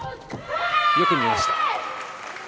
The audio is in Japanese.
よく見ました。